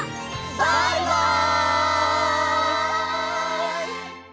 バイバイ！